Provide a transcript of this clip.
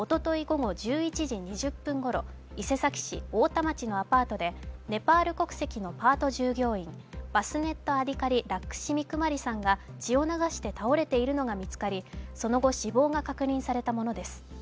午後１１時２０分ごろ、伊勢崎市太田町のアパートでネパール国籍のパート従業員、バスネット・アディカリ・ラックシミ・クマリさんが血を流して倒れているのが見つかりその後、死亡が確認されたものです